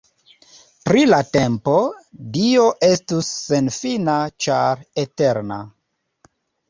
Pri la tempo, Dio estus senfina ĉar eterna.